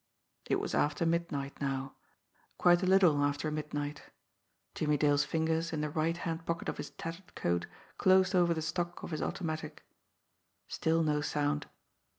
It was after midnight now, quite a little after midnight. Jimmie Dale's fingers, in the right hand pocket of his tattered coat, closed over the stock of his automatic. Still no sound!